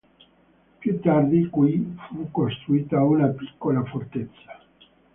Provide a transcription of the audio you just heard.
Più tardi qui fu costruita una piccola fortezza.